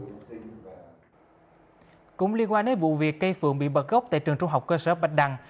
cũng liên quan đến vụ việc cây phượng bị bật gốc tại trường trung học cơ sở bạch đăng